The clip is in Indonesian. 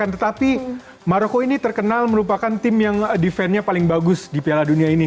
tetapi maroko ini terkenal merupakan tim yang defense nya paling bagus di piala dunia ini